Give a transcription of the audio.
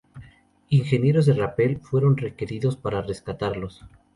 Ingenieros de rápel fueron requeridos para rescatarlos.